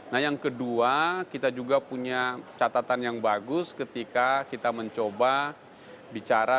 nah yang kedua kita juga punya catatan yang bagus ketika kita mencoba bicara